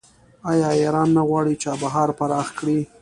آیا ایران نه غواړي چابهار پراخ کړي؟